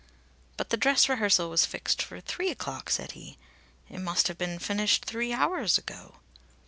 "But the dress rehearsal was fixed for three o'clock," said he. "It must have been finished three hours ago."